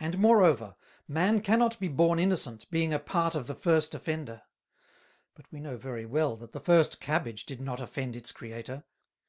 "And moreover, Man cannot be born Innocent, being a Part of the first Offender: But we know very well, that the first Cabbage did not offend its Creator.